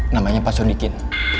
namanya pak sodikin